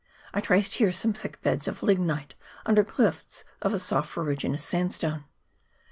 I traced there some thick beds of lignite under cliffs of a soft ferruginous sandstone.